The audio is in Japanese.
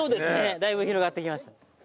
だいぶ広がってきました。